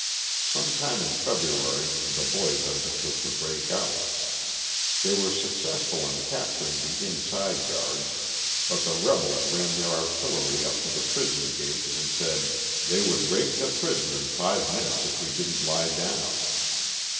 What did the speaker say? Some time in February the boys undertook to break out. They were successful in capturing the in side guards, but the rebels ran their artillery up to the prison gate and said, ''they would rake the prison in five minutes if we didn't lie down.''